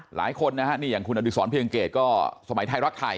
หลายคนนะฮะนี่อย่างคุณอดิษรเพียงเกตก็สมัยไทยรักไทย